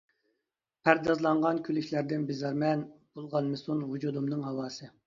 پەردازلانغان كۈلۈشلەردىن بىزارمەن، بۇلغانمىسۇن ۋۇجۇدۇمنىڭ ھاۋاسى.